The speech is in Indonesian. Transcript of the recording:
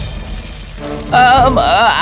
aku tidak mengerti